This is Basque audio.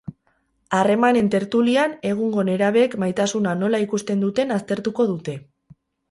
Harremanen tertulian, egungo nerabeek maitasuna nola ikusten duten aztertuko dute.